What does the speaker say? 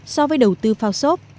so với đầu tư phao sốt